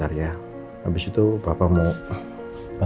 lagi dua satuan